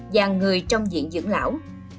và người trong diện dưỡng lão